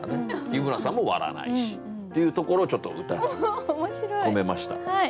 日村さんも割らないしっていうところをちょっと歌に込めました。